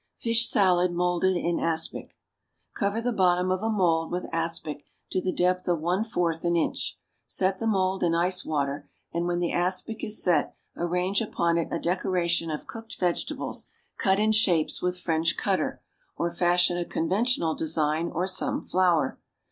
=Fish Salad Moulded in Aspic.= Cover the bottom of a mould with aspic to the depth of one fourth an inch. Set the mould in ice water, and, when the aspic is set, arrange upon it a decoration of cooked vegetables cut in shapes with French cutter, or fashion a conventional design or some flower.